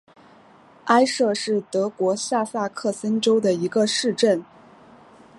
埃舍是德国下萨克森州的一个市镇。